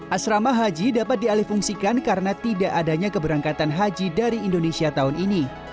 asrama haji dapat dialih fungsikan karena tidak adanya keberangkatan haji dari indonesia tahun ini